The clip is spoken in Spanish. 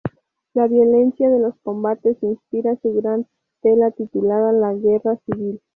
La violencia de los combates inspira su gran tela titulada "La Guerra Civil".